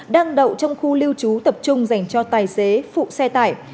đang đậu trong khu lưu trú tập trung dành cho tài xế phụ xe tải